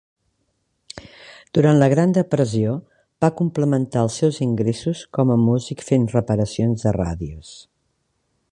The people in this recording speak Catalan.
Durant la Gran Depressió va complementar els seus ingressos com a músic fent reparacions de ràdios.